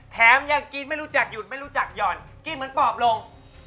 แถมยังกินไม่รู้จักหยุดไม่รู้จักหย่อนกินเหมือนปอบลง